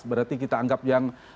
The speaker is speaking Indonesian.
berarti kita anggap yang